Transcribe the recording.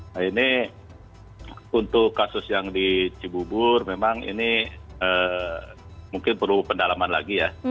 nah ini untuk kasus yang di cibubur memang ini mungkin perlu pendalaman lagi ya